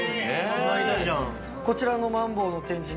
こちらのマンボウの展示。